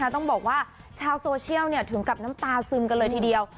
ต้องบอกว่าชาวโซเชียลถึงกับน้ำตาซึมกันเลยทีเดียว